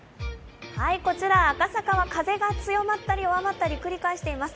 こちら赤坂は風が強まったり弱まったり繰り返しています、